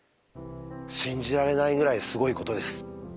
信じられないぐらいすごいことです。